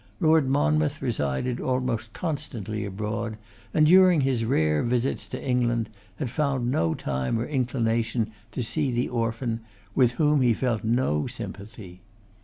Lord Monmouth resided almost constantly abroad, and during his rare visits to England had found no time or inclination to see the orphan, with whom he felt no sympathy.